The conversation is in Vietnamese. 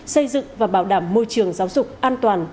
xây dựng và bảo đảm môi trường giáo dục an toàn